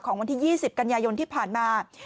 วันที่๒๐กันยายนที่ผ่านมา